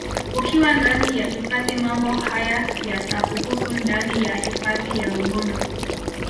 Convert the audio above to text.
Ukiwa ndani ya hifadhi mambo haya yatakuhusu ndani ya hifadhi ya Rubondo